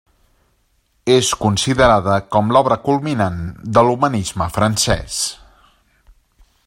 És considerada com l'obra culminant de l'humanisme francès.